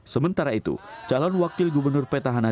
sementara itu calon wakil gubernur petahana